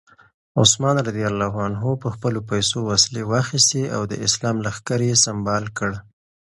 عثمان رض په خپلو پیسو وسلې واخیستې او د اسلام لښکر یې سمبال کړ.